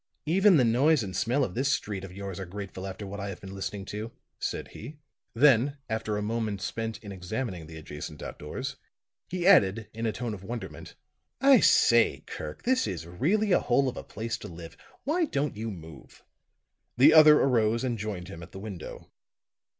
"Even the noise and smell of this street of yours are grateful after what I have been listening to," said he. Then, after a moment spent in examining the adjacent outdoors, he added in a tone of wonderment. "I say, Kirk, this is really a hole of a place to live! Why don't you move?" The other arose and joined him at the window.